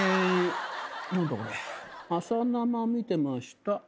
「『朝生』見てました。